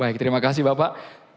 baik terima kasih bapak